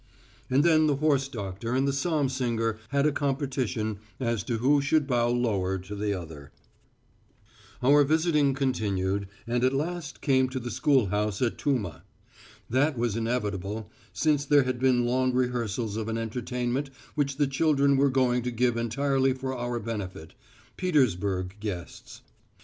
And then the horse doctor and the psalm singer had a competition as to who should bow lower to the other. Our visiting continued, and at last came to the school house at Tuma. That was inevitable, since there had been long rehearsals of an entertainment which the children were going to give entirely for our benefit Petersburg guests.